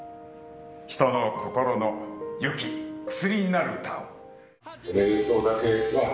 人の心のよき薬になる歌を。